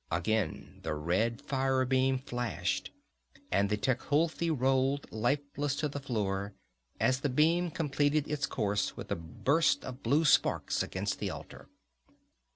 Again the red fire beam flashed and the Tecuhltli rolled lifeless to the floor, as the beam completed its course with a burst of blue sparks against the altar.